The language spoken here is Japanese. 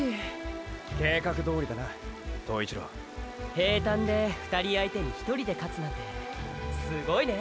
平たんで２人相手に１人で勝つなんてすごいね。